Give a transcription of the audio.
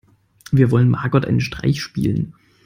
Wir wollen Margot einen Streich spielen.